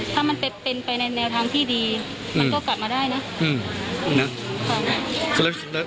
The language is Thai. ถ้ามันเป็นไปในแนวทางที่ดีมันก็กลับมาได้นะ